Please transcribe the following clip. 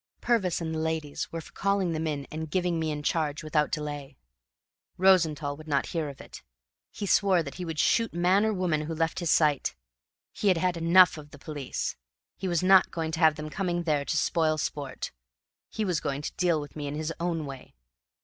Purvis and the ladies were for calling them in and giving me in charge without delay. Rosenthall would not hear of it. He swore that he would shoot man or woman who left his sight. He had had enough of the police. He was not going to have them coming there to spoil sport; he was going to deal with me in his own way.